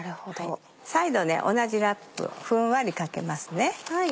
再度同じラップふんわりかけますね。